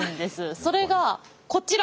それがこちら。